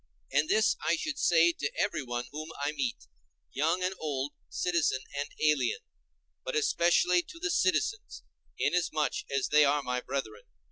And this I should say to everyone whom I meet, young and old, citizen and alien, but especially to the citizens, inasmuch as they are my brethren.